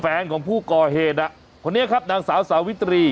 แฟนของผู้ก่อเหตุคนนี้ครับนางสาวสาวิตรี